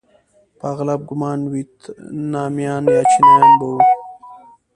په اغلب ګومان ویتنامیان یا چینایان به وو.